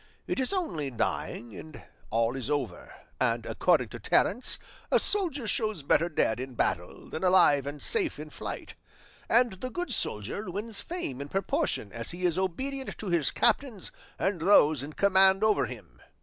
It is only dying, and all is over; and according to Terence, a soldier shows better dead in battle, than alive and safe in flight; and the good soldier wins fame in proportion as he is obedient to his captains and those in command over him.